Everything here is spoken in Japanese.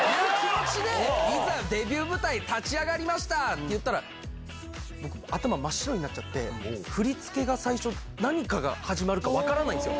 いざデビュー舞台、立ち上がりましたって言ったら、頭真っ白になっちゃって、振り付けが最初、何から始まるか分からないんですよ。